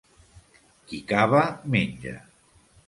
Qui cava menja.